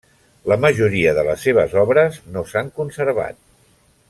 La majoria de les seves obres no s'han conservat.